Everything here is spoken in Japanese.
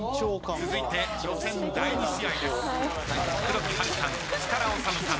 続いて予選第２試合です。